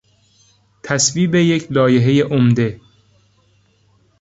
تصویب یک لایحهی عمده